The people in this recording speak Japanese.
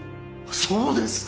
そうですか！